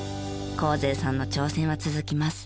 幸前さんの挑戦は続きます。